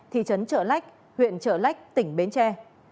thị trấn trợ lách huyện trợ lách tỉnh bến tre